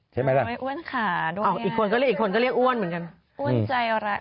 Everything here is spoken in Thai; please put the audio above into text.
พี่เมย์เรียกแฟนว่าอะไร